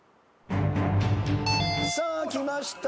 さあきました。